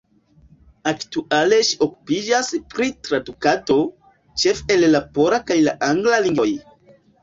Aktuale ŝi okupiĝas pri tradukado, ĉefe el la pola kaj angla lingvoj.